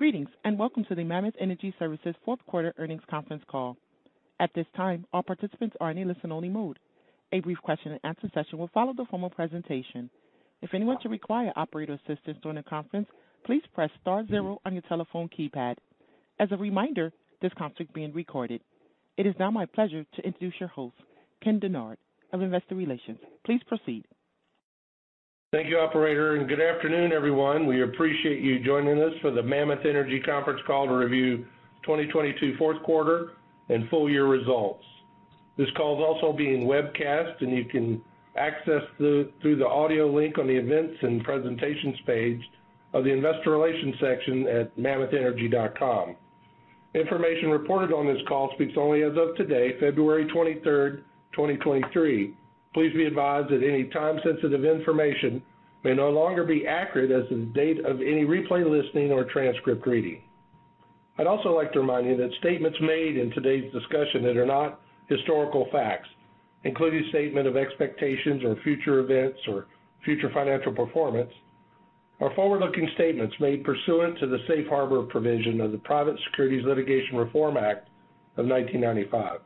Greetings, welcome to the Mammoth Energy Services Fourth Quarter Earnings Conference Call. At this time, all participants are in a listen-only mode. A brief question-and-answer session will follow the formal presentation. If anyone should require operator assistance during the conference, please press star zero on your telephone keypad. As a reminder, this conference is being recorded. It is now my pleasure to introduce your host, Ken Dennard of Investor Relations. Please proceed. Thank you, operator, and good afternoon, everyone. We appreciate you joining us for the Mammoth Energy Conference Call to Review 2022 Fourth Quarter and Full year Results. This call is also being webcast, and you can access through the audio link on the Events and Presentations page of the investor relations section at mammothenergy.com. Information reported on this call speaks only as of today, February 23rd, 2023. Please be advised that any time-sensitive information may no longer be accurate as of the date of any replay listening or transcript reading. I'd also like to remind you that statements made in today's discussion that are not historical facts, including statement of expectations or future events or future financial performance, are forward-looking statements made pursuant to the safe harbor provision of the Private Securities Litigation Reform Act of 1995.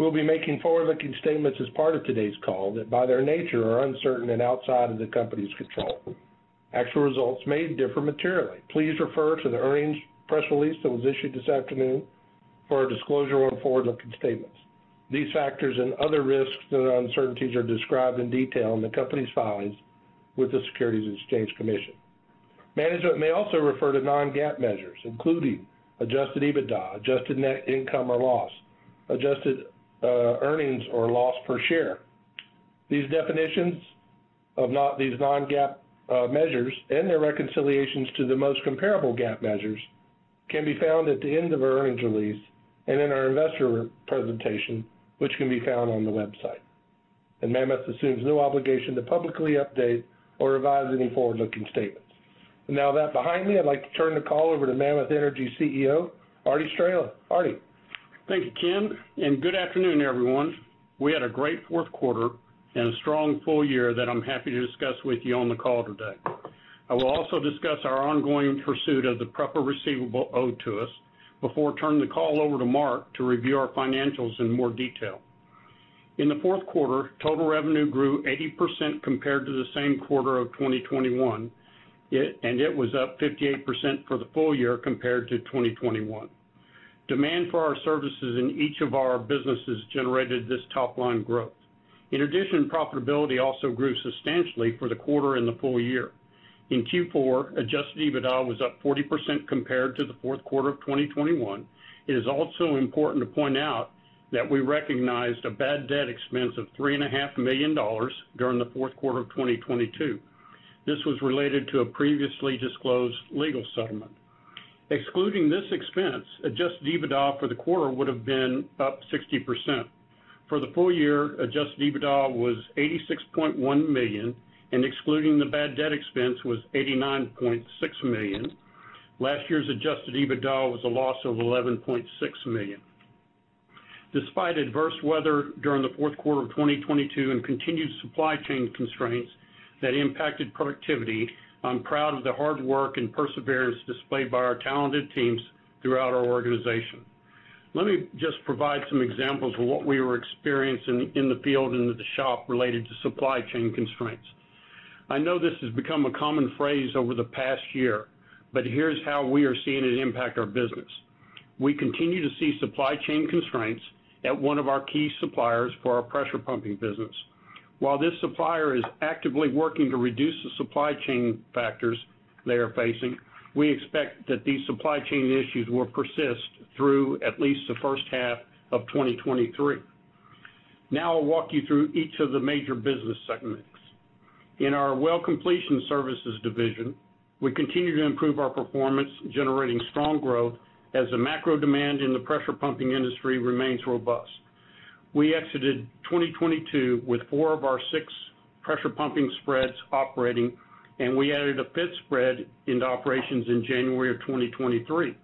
We'll be making forward-looking statements as part of today's call that, by their nature, are uncertain and outside of the company's control. Actual results may differ materially. Please refer to the earnings press release that was issued this afternoon for a disclosure on forward-looking statements. These factors and other risks that uncertainties are described in detail in the company's filings with the Securities and Exchange Commission. Management may also refer to non-GAAP measures, including adjusted EBITDA, adjusted net income or loss, adjusted earnings or loss per share. These non-GAAP measures and their reconciliations to the most comparable GAAP measures can be found at the end of our earnings release and in our investor presentation, which can be found on the website. Mammoth assumes no obligation to publicly update or revise any forward-looking statements. Now that behind me, I'd like to turn the call over to Mammoth Energy CEO, Arty Straehla. Arty. Thank you, Ken. Good afternoon, everyone. We had a great fourth quarter and a strong full year that I'm happy to discuss with you on the call today. I will also discuss our ongoing pursuit of the PREPA receivable owed to us before turning the call over to Mark to review our financials in more detail. In the fourth quarter, total revenue grew 80% compared to the same quarter of 2021. It was up 58% for the full year compared to 2021. Demand for our services in each of our businesses generated this top-line growth. In addition, profitability also grew substantially for the quarter and the full year. In Q4, adjusted EBITDA was up 40% compared to the fourth quarter of 2021. It is also important to point out that we recognized a bad debt expense of three and a half million dollars during the fourth quarter of 2022. This was related to a previously disclosed legal settlement. Excluding this expense, adjusted EBITDA for the quarter would've been up 60%. For the full year, adjusted EBITDA was $86.1 million, and excluding the bad debt expense was $89.6 million. Last year's adjusted EBITDA was a loss of $11.6 million. Despite adverse weather during the fourth quarter of 2022 and continued supply chain constraints that impacted productivity, I'm proud of the hard work and perseverance displayed by our talented teams throughout our organization. Let me just provide some examples of what we were experiencing in the field and at the shop related to supply chain constraints. I know this has become a common phrase over the past year, but here's how we are seeing it impact our business. We continue to see supply chain constraints at one of our key suppliers for our pressure pumping business. While this supplier is actively working to reduce the supply chain factors they are facing, we expect that these supply chain issues will persist through at least the first half of 2023. Now, I'll walk you through each of the major business segments. In our well completion services division, we continue to improve our performance, generating strong growth as the macro demand in the pressure pumping industry remains robust. We exited 2022 with four of our six pressure pumping spreads operating, and we added a fifth spread into operations in January of 2023.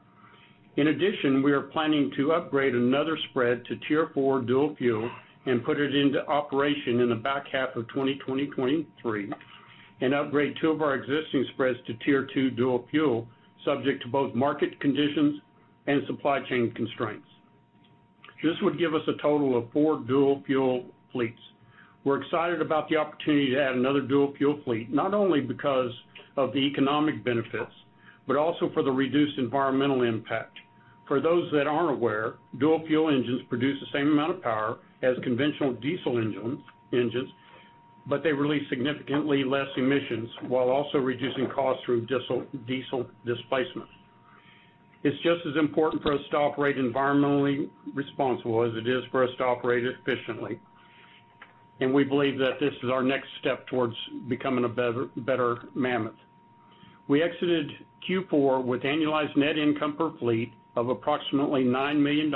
We are planning to upgrade another spread to Tier 4 dual fuel and put it into operation in the back half of 2023, and upgrade two of our existing spreads to Tier 2 dual fuel, subject to both market conditions and supply chain constraints. This would give us a total of four dual fuel fleets. We're excited about the opportunity to add another dual fuel fleet, not only because of the economic benefits, but also for the reduced environmental impact. For those that aren't aware, dual fuel engines produce the same amount of power as conventional diesel engines, but they release significantly less emissions while also reducing costs through diesel displacement. It's just as important for us to operate environmentally responsible as it is for us to operate efficiently, and we believe that this is our next step towards becoming a better Mammoth. We exited Q4 with annualized net income per fleet of approximately $9 million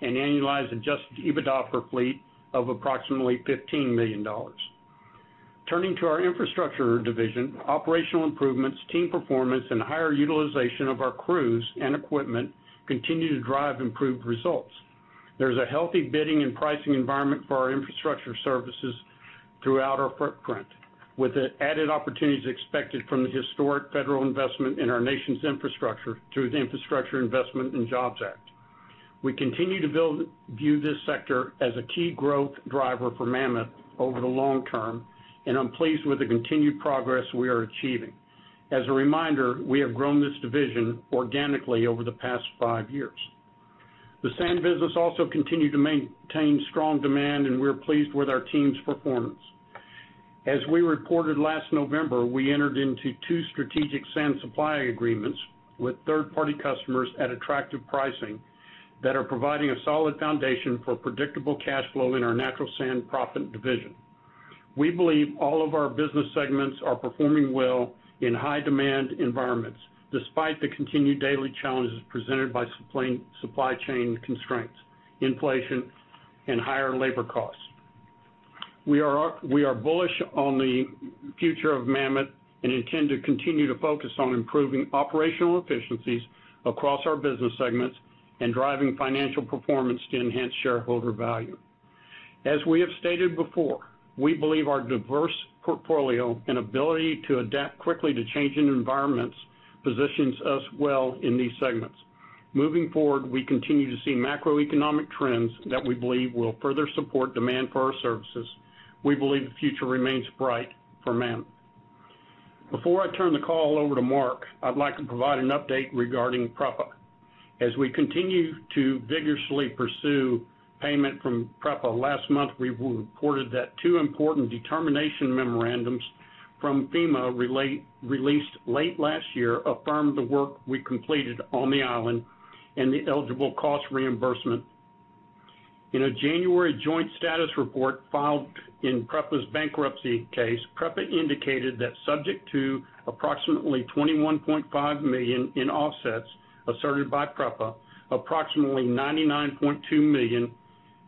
and annualized adjusted EBITDA per fleet of approximately $15 million. Turning to our infrastructure division, operational improvements, team performance, and higher utilization of our crews and equipment continue to drive improved results. There's a healthy bidding and pricing environment for our infrastructure services throughout our footprint, with the added opportunities expected from the historic federal investment in our nation's infrastructure through the Infrastructure Investment and Jobs Act. We continue to view this sector as a key growth driver for Mammoth over the long term, and I'm pleased with the continued progress we are achieving. As a reminder, we have grown this division organically over the past five years. The sand business also continued to maintain strong demand, and we're pleased with our team's performance. As we reported last November, we entered into two strategic sand supply agreements with third-party customers at attractive pricing that are providing a solid foundation for predictable cash flow in our natural sand proppant division. We believe all of our business segments are performing well in high-demand environments despite the continued daily challenges presented by supply chain constraints, inflation, and higher labor costs. We are bullish on the future of Mammoth and intend to continue to focus on improving operational efficiencies across our business segments and driving financial performance to enhance shareholder value. As we have stated before, we believe our diverse portfolio and ability to adapt quickly to changing environments positions us well in these segments. Moving forward, we continue to see macroeconomic trends that we believe will further support demand for our services. We believe the future remains bright for Mammoth. Before I turn the call over to Mark, I'd like to provide an update regarding PREPA. As we continue to vigorously pursue payment from PREPA, last month, we reported that two important determination memorandums from FEMA released late last year affirmed the work we completed on the island and the eligible cost reimbursement. In a January joint status report filed in PREPA's bankruptcy case, PREPA indicated that subject to approximately $21.5 million in offsets asserted by PREPA, approximately $99.2 million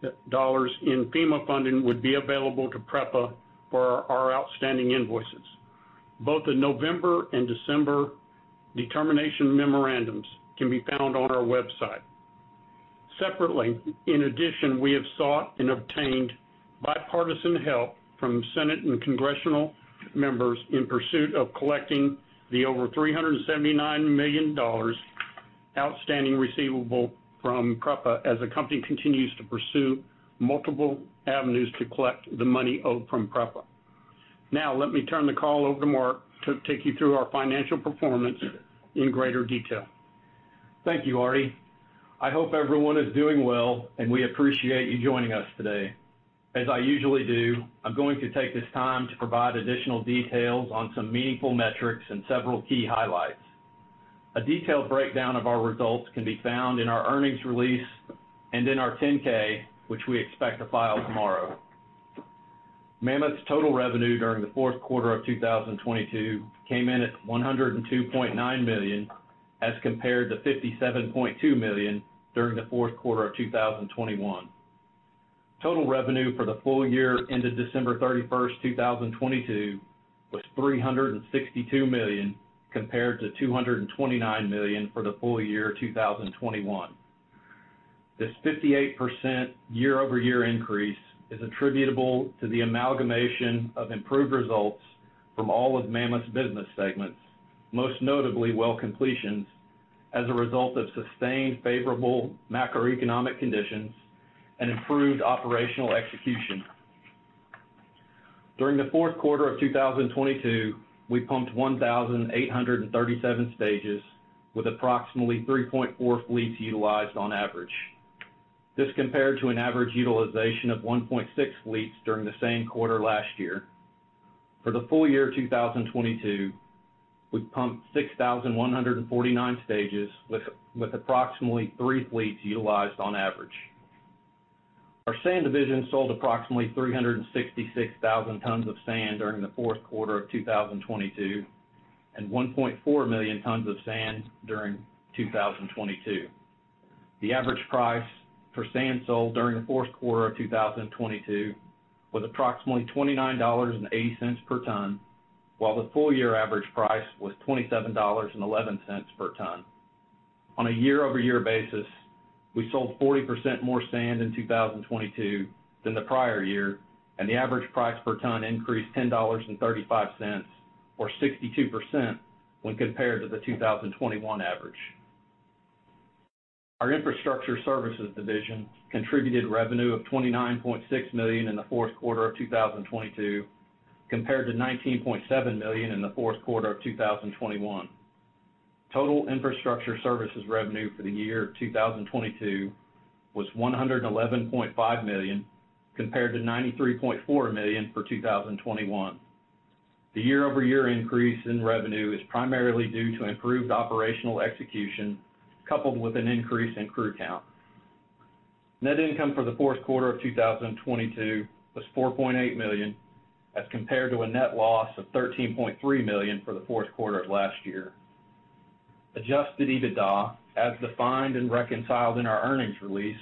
in FEMA funding would be available to PREPA for our outstanding invoices. Both the November and December determination memorandums can be found on our website. Separately, in addition, we have sought and obtained bipartisan help from Senate and congressional members in pursuit of collecting the over $379 million outstanding receivable from PREPA as the company continues to pursue multiple avenues to collect the money owed from PREPA. Let me turn the call over to Mark to take you through our financial performance in greater detail. Thank you, Arty. I hope everyone is doing well. We appreciate you joining us today. As I usually do, I'm going to take this time to provide additional details on some meaningful metrics and several key highlights. A detailed breakdown of our results can be found in our earnings release and in our 10-K, which we expect to file tomorrow. Mammoth's total revenue during the fourth quarter of 2022 came in at $102.9 million, as compared to $57.2 million during the fourth quarter of 2021. Total revenue for the full year ended December 31, 2022 was $362 million, compared to $229 million for the full year 2021. This 58% year-over-year increase is attributable to the amalgamation of improved results from all of Mammoth's business segments, most notably well completions, as a result of sustained favorable macroeconomic conditions and improved operational execution. During the fourth quarter of 2022, we pumped 1,837 stages with approximately 3.4 fleets utilized on average. This compared to an average utilization of 1.6 fleets during the same quarter last year. For the full year 2022, we pumped 6,149 stages with approximately three fleets utilized on average. Our sand division sold approximately 366,000 tons of sand during the fourth quarter of 2022, and 1.4 million tons of sand during 2022. The average price for sand sold during the fourth quarter of 2022 was approximately $29.80 per ton, while the full year average price was $27.11 per ton. On a year-over-year basis, we sold 40% more sand in 2022 than the prior year, and the average price per ton increased $10.35, or 62% when compared to the 2021 average. Our infrastructure services division contributed revenue of $29.6 million in the fourth quarter of 2022, compared to $19.7 million in the fourth quarter of 2021. Total infrastructure services revenue for the year 2022 was $111.5 million, compared to $93.4 million for 2021. The year-over-year increase in revenue is primarily due to improved operational execution coupled with an increase in crew count. Net income for the fourth quarter of 2022 was $4.8 million, as compared to a net loss of $13.3 million for the fourth quarter of last year. adjusted EBITDA, as defined and reconciled in our earnings release,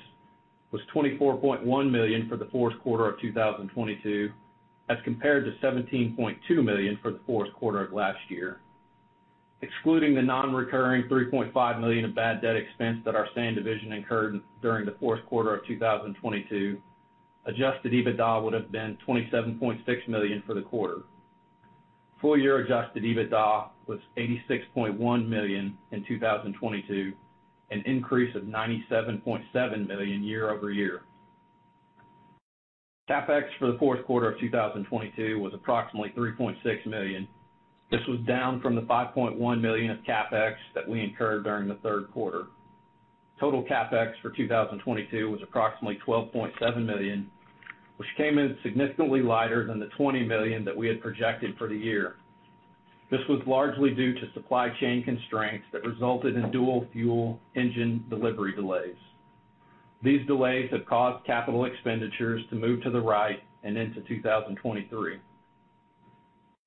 was $24.1 million for the fourth quarter of 2022, as compared to $17.2 million for the fourth quarter of last year. Excluding the non-recurring $3.5 million of bad debt expense that our sand division incurred during the fourth quarter of 2022, adjusted EBITDA would have been $27.6 million for the quarter. Full year adjusted EBITDA was $86.1 million in 2022, an increase of $97.7 million year-over-year. CapEx for the fourth quarter of 2022 was approximately $3.6 million. This was down from the $5.1 million of CapEx that we incurred during the third quarter. Total CapEx for 2022 was approximately $12.7 million, which came in significantly lighter than the $20 million that we had projected for the year. This was largely due to supply chain constraints that resulted in dual fuel engine delivery delays. These delays have caused capital expenditures to move to the right and into 2023.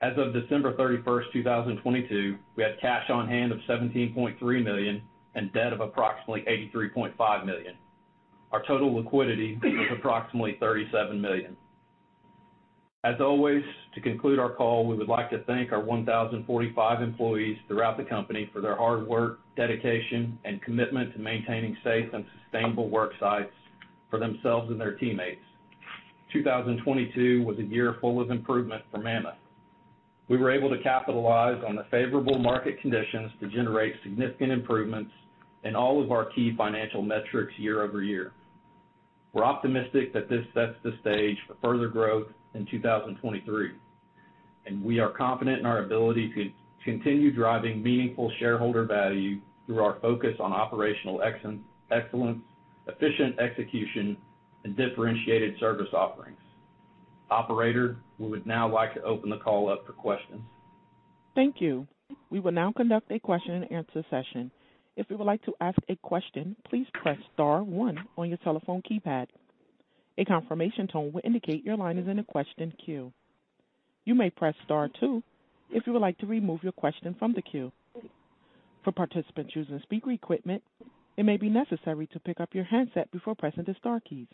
As of December 31st, 2022, we had cash on hand of $17.3 million and debt of approximately $83.5 million. Our total liquidity was approximately $37 million. As always, to conclude our call, we would like to thank our 1,045 employees throughout the company for their hard work, dedication, and commitment to maintaining safe and sustainable work sites for themselves and their teammates. 2022 was a year full of improvement for Mammoth. We were able to capitalize on the favorable market conditions to generate significant improvements in all of our key financial metrics year-over-year. We're optimistic that this sets the stage for further growth in 2023, we are confident in our ability to continue driving meaningful shareholder value through our focus on operational excellence, efficient execution, and differentiated service offerings. Operator, we would now like to open the call up for questions. Thank you. We will now conduct a question and answer session. If you would like to ask a question, please press star one on your telephone keypad. A confirmation tone will indicate your line is in a question queue. You may press star two if you would like to remove your question from the queue. For participants using speaker equipment, it may be necessary to pick up your handset before pressing the star keys.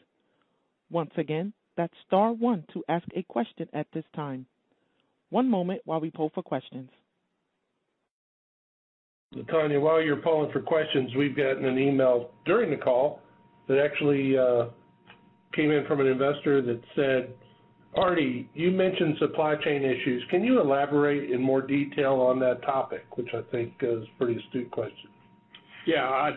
Once again, that's star one to ask a question at this time. One moment while we poll for questions. Tanya, while you're polling for questions, we've gotten an email during the call that actually came in from an investor that said, "Arty, you mentioned supply chain issues. Can you elaborate in more detail on that topic?" Which I think is a pretty astute question. Yeah,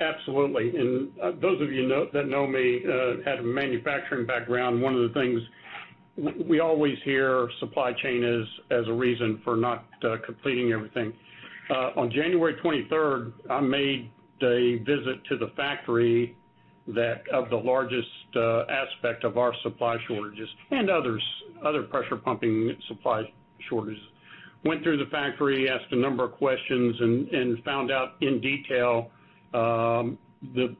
absolutely. Those that know me have a manufacturing background. One of the things we always hear supply chain as a reason for not completing everything. On January 23rd, I made a visit to the factory that of the largest aspect of our supply shortages and other pressure pumping supply shortages. Went through the factory, asked a number of questions and found out in detail the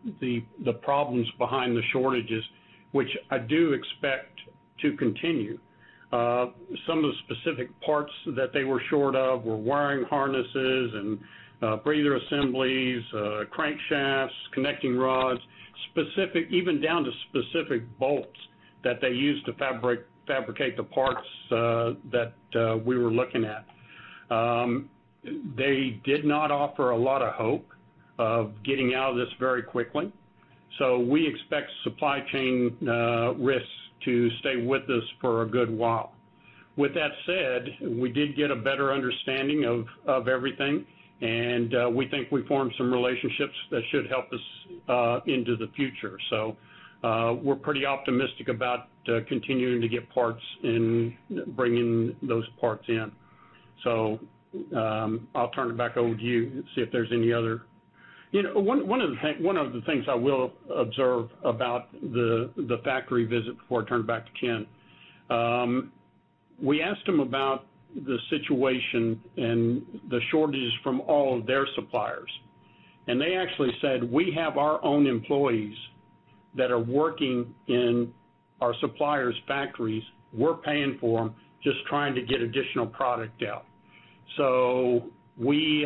problems behind the shortages, which I do expect to continue. Some of the specific parts that they were short of were wiring harnesses and breather assemblies, crankshafts, connecting rods, even down to specific bolts that they use to fabricate the parts that we were looking at. They did not offer a lot of hope of getting out of this very quickly. We expect supply chain risks to stay with us for a good while. With that said, we did get a better understanding of everything, and we think we formed some relationships that should help us into the future. We're pretty optimistic about continuing to get parts and bringing those parts in. I'll turn it back over to you, see if there's any other. You know, one of the things I will observe about the factory visit before I turn it back to Ken. We asked them about the situation and the shortages from all of their suppliers, and they actually said, "We have our own employees that are working in our suppliers' factories. We're paying for them, just trying to get additional product out." We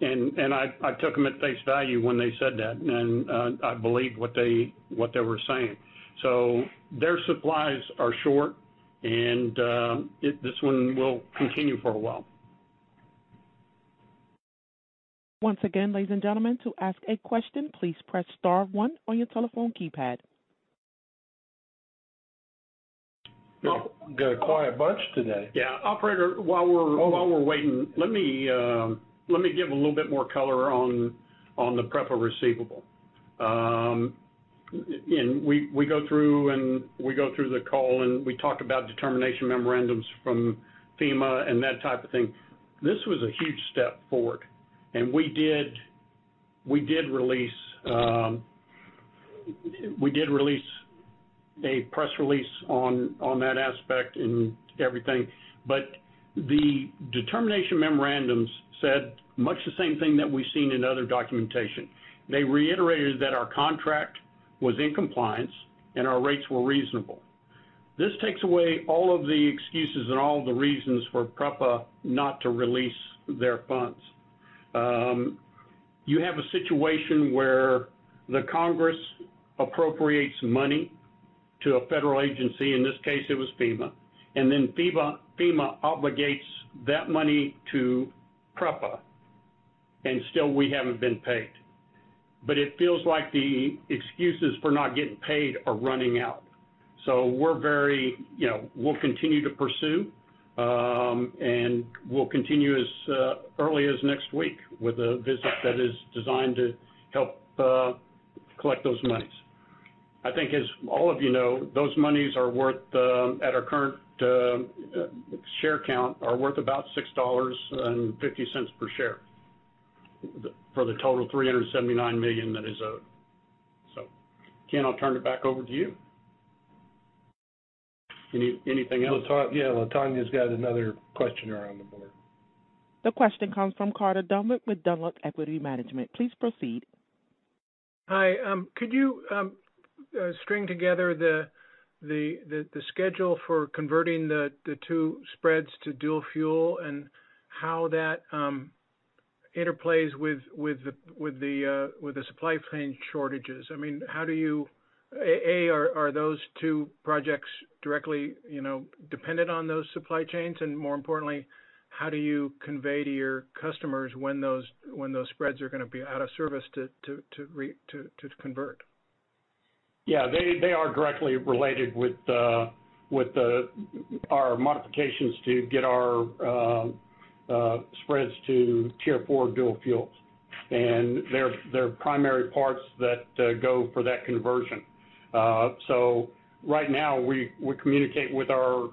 took them at face value when they said that, I believe what they were saying. Their supplies are short and this one will continue for a while. Once again, ladies and gentlemen, to ask a question, please press star one on your telephone keypad. Well, got a quiet bunch today. Yeah. Operator. Hold on. while we're waiting, let me give a little bit more color on the PREPA receivable. We go through the call and we talk about determination memorandums from FEMA and that type of thing. This was a huge step forward and we did release a press release on that aspect and everything. The determination memorandums said much the same thing that we've seen in other documentation. They reiterated that our contract was in compliance and our rates were reasonable. This takes away all of the excuses and all of the reasons for PREPA not to release their funds. You have a situation where Congress appropriates money to a federal agency, in this case it was FEMA. FEMA obligates that money to PREPA, and still we haven't been paid. It feels like the excuses for not getting paid are running out. We're very, you know, we'll continue to pursue, and we'll continue as early as next week with a visit that is designed to help collect those monies. I think as all of you know, those monies are worth, at our current share count, are worth about $6.50 per share for the total $379 million that is owed. Ken, I'll turn it back over to you. Anything else? Yeah, Latonya's got another questioner on the board. The question comes from Carter Dunlap with Dunlap Equity Management. Please proceed. Hi. Could you string together the schedule for converting the two spreads to dual fuel and how that interplays with the supply chain shortages? I mean, are those two projects directly, you know, dependent on those supply chains? More importantly, how do you convey to your customers when those, when those spreads are gonna be out of service to convert? Yeah, they are directly related with our modifications to get our spreads to Tier 4 dual fuels. They're primary parts that go for that conversion. Right now we communicate with our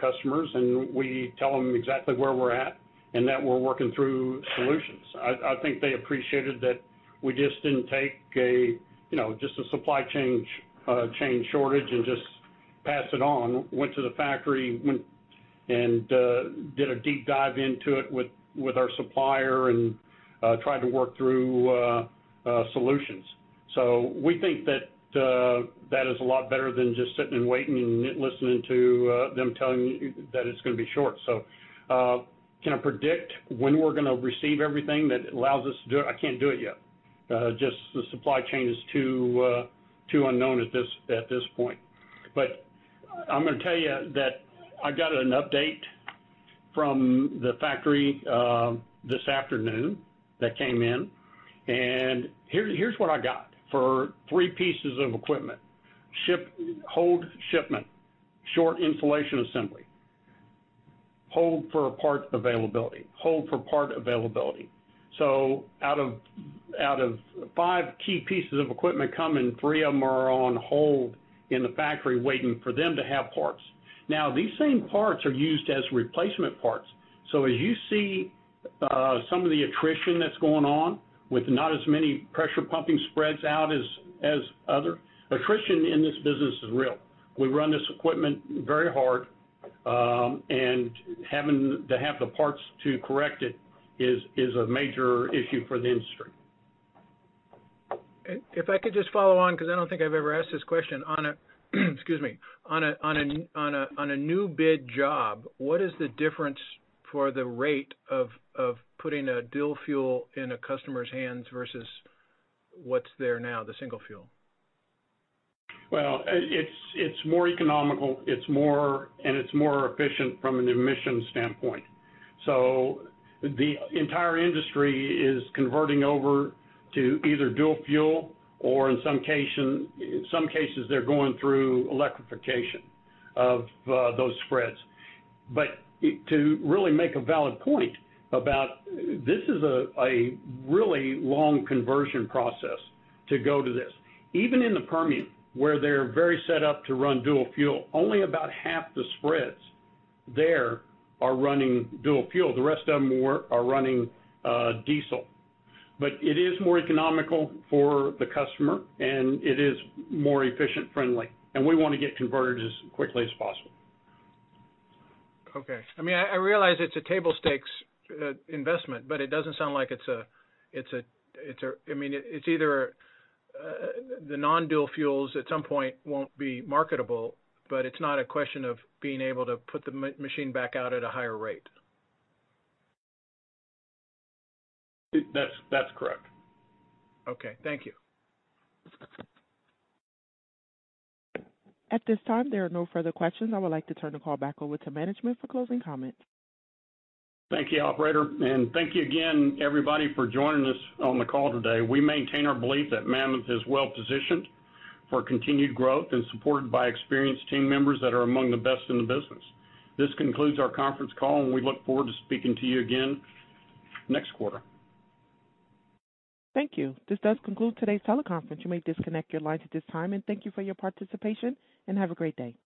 customers and we tell them exactly where we're at and that we're working through solutions. I think they appreciated that we just didn't take a, you know, just a supply chain shortage and just pass it on. Went to the factory, went and did a deep dive into it with our supplier and tried to work through solutions. We think that that is a lot better than just sitting and waiting and listening to them telling you that it's gonna be short. Can I predict when we're gonna receive everything that allows us to do it? I can't do it yet. Just the supply chain is too unknown at this point. I'm gonna tell you that I got an update from the factory this afternoon that came in. Here's what I got for three pieces of equipment. Hold shipment. Short isolation assembly. Hold for parts availability. Hold for part availability. Out of five key pieces of equipment coming, three of them are on hold in the factory waiting for them to have parts. Now, these same parts are used as replacement parts. As you see, some of the attrition that's going on with not as many pressure pumping spreads out as other, attrition in this business is real. We run this equipment very hard, and having to have the parts to correct it is a major issue for the industry. If I could just follow on, because I don't think I've ever asked this question. On a excuse me, on a new bid job, what is the difference for the rate of putting a dual fuel in a customer's hands versus what's there now, the single fuel? It's more economical, it's more, and it's more efficient from an emissions standpoint. The entire industry is converting over to either dual fuel or in some cases, they're going through electrification of those spreads. To really make a valid point about this is a really long conversion process to go to this. Even in the Permian, where they're very set up to run dual fuel, only about half the spreads there are running dual fuel. The rest of them more are running diesel. It is more economical for the customer and it is more efficient, friendly, and we wanna get converted as quickly as possible. Okay. I mean, I realize it's a table stakes investment, but it doesn't sound like. I mean, it's either the non-dual fuels at some point won't be marketable, but it's not a question of being able to put the machine back out at a higher rate. That's correct. Okay, thank you. At this time, there are no further questions. I would like to turn the call back over to management for closing comments. Thank you, operator. Thank you again, everybody, for joining us on the call today. We maintain our belief that Mammoth is well-positioned for continued growth and supported by experienced team members that are among the best in the business. This concludes our conference call, and we look forward to speaking to you again next quarter. Thank you. This does conclude today's teleconference. You may disconnect your lines at this time. Thank you for your participation, and have a great day.